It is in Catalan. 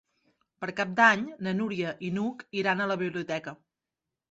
Per Cap d'Any na Núria i n'Hug iran a la biblioteca.